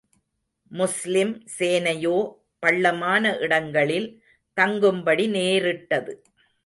முஸ்லிம் சேனையோ பள்ளமான இடங்களில் தங்கும்படி நேரிட்டது.